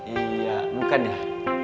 iya bukan ya